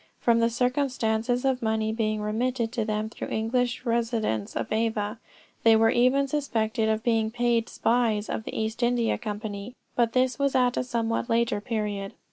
From the circumstance of money being remitted to them through English residents in Ava, they were even suspected of being paid spies of the East India Company but this was at a somewhat later period.